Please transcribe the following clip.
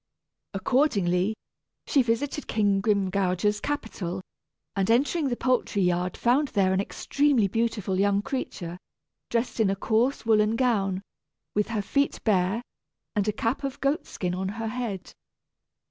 Accordingly she visited King Grimgouger's capital, and entering the poultry yard found there an extremely beautiful young creature dressed in a coarse woollen gown, with her feet bare, and a cap of goat skin on her head.